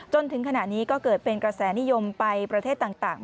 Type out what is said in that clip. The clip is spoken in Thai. จนถึงขณะนี้ก็เกิดเป็นกระแสนิยมไปประเทศต่าง